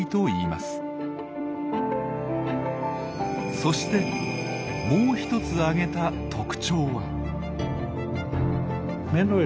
そしてもう一つあげた特徴は。